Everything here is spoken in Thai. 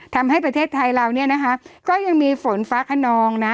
ทำให้ประเทศไทยเราเนี่ยนะคะก็ยังมีฝนฟ้าขนองนะ